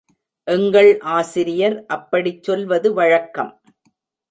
எங்கள் ஆசிரியர் அப்படிச் சொல்வது வழக்கம்.